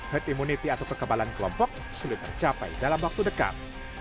herd immunity atau kekebalan kelompok sulit tercapai dalam waktu dekat